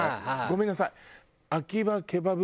ごめんなさい。